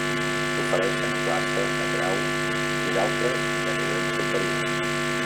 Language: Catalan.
S'ofereixen classes de grau i d'altres de nivell superior.